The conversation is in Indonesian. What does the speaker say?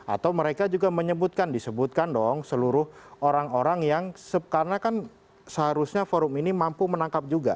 atau mereka juga menyebutkan disebutkan dong seluruh orang orang yang karena kan seharusnya forum ini mampu menangkap juga